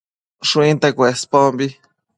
Shuinte Cuespombi